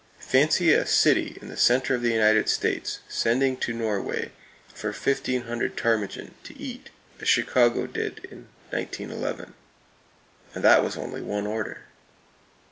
Fancy a city in the center of the United States sending to Norway for 1,500 ptarmigan, to eat, as Chicago did in 1911; and that was only one order.